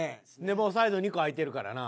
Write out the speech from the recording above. もうサイド２個開いてるからな。